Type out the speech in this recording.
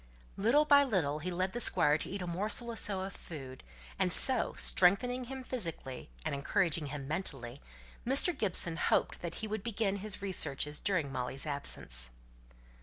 Little by little he led the Squire to eat a morsel or so of food; and so, strengthening him physically, and encouraging him mentally, Mr. Gibson hoped that he would begin his researches during Molly's absence.